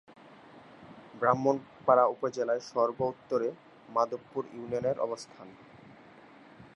ব্রাহ্মণপাড়া উপজেলার সর্ব-উত্তরে মাধবপুর ইউনিয়নের অবস্থান।